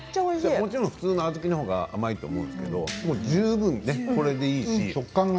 もちろん普通の小豆のほうが甘いと思うんだけど、これでいい。